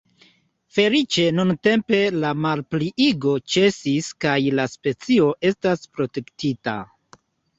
Feliĉe nuntempe la malpliigo ĉesis kaj la specio estas protektita.